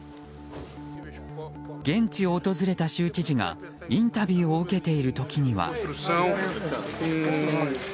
現地を訪れた州知事がインタビューを受けている時には。